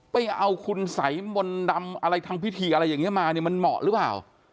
ไปเอาคุณสัยมนต์ดำอะไรทำพิธีอะไรอย่างนี้มาเนี่ยมันเหมาะหรือเปล่า